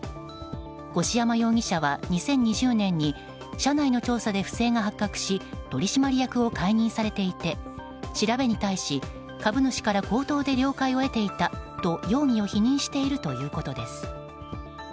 越山容疑者は２０２０年に社内の調査で不正が発覚し取締役を解任されていて調べに対し株主から口頭で了解を得ていたと容疑を否認しているということです。